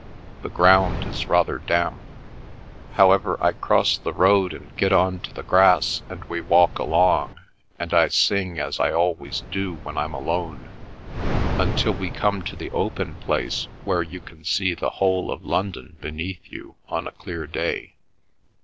The ground is rather damp. However, I cross the road and get on to the grass and we walk along, and I sing as I always do when I'm alone, until we come to the open place where you can see the whole of London beneath you on a clear day.